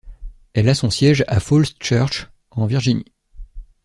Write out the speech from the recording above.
Elle a son siège à Falls Church, en Virginie.